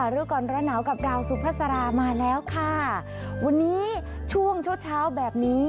เรื่องก่อนระหน๋ากับดาวสุภาษามาแล้วค่ะวันนี้ช่วงช่วงเช้าแบบนี้